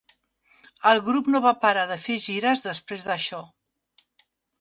El grup no va para de fer gires després d'això.